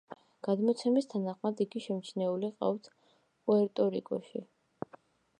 გადმოცემის თანახმად იგი შემჩნეული ყავთ პუერტო-რიკოში.